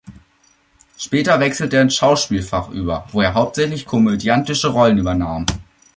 Später wechselte er ins Schauspielfach über, wo er hauptsächlich komödiantische Rollen übernahm.